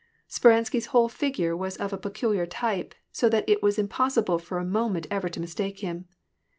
Speransky's whole fig^ure was of a peculiar type, so that it was impossible for a moment ever to mistake him.